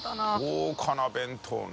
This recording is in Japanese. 豪華な弁当ね。